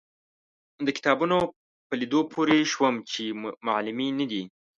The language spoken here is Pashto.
د کتابونو په لیدو پوی شوم چې معلمینې دي.